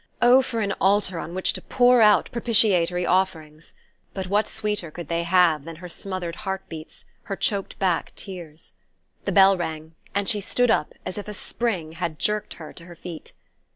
Oh, for an altar on which to pour out propitiatory offerings! But what sweeter could they have than her smothered heart beats, her choked back tears? The bell rang, and she stood up as if a spring had jerked her to her feet.